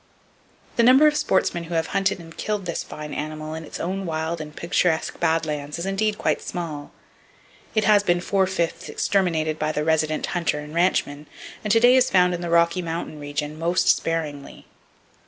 The number of sportsmen who have hunted and killed this fine animal in its own wild and picturesque bad lands is indeed quite small. It has been four fifths exterminated by the resident hunter and ranchman, and to day is found in the Rocky Mountain region most sparingly.